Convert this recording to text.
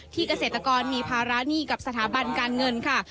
เกษตรกรมีภาระหนี้กับสถาบันการเงินค่ะ